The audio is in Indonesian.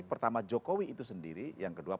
pertama jokowi itu sendiri yang kedua